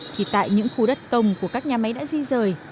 thì tại những khu đất công của các nhà máy đã di rời